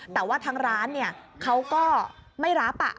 แต่ว่าทางร้านเขาก็ไม่รับ